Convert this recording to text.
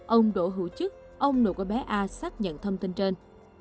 ông đổ hữu chức ông nội của bé a xác nhận thông tin trên